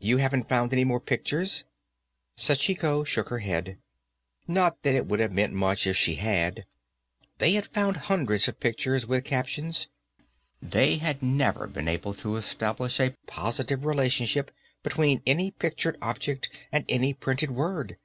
"You haven't found any more pictures?" Sachiko shook her head. Not that it would have meant much if she had. They had found hundreds of pictures with captions; they had never been able to establish a positive relationship between any pictured object and any printed word.